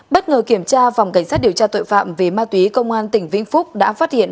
bất ngờ kiểm tra phòng cảnh sát điều tra tội phạm về ma túy công an tỉnh vĩnh phúc đã phát hiện